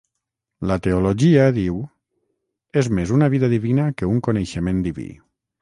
La teologia, diu, és més una vida divina que un coneixement diví.